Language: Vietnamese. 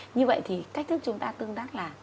như vậy thì cách thức chúng ta tương tác là